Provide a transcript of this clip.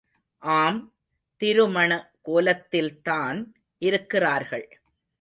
ஆம், திருமண கோலத்தில்தான் இருக்கிறார்கள்.